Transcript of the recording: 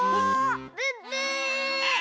ブッブー！え！